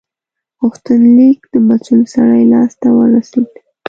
غوښتنلیک د مسول سړي لاس ته ورسید.